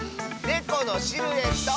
ねこのシルエット！